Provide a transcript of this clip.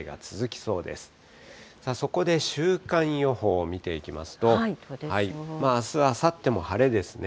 そこで週間予報見ていきますと、あす、あさっても晴れですね。